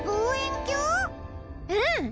うん！